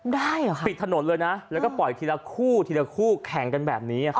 ปิดถนนเลยนะแล้วก็ปล่อยทีละคู่ทีละคู่แข่งกันแบบนี้